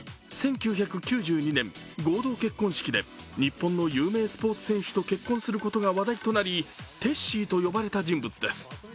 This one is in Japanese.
１９９２年、合同結婚式で日本の有名スポーツ選手と結婚することが話題となりテッシーと呼ばれた人物です。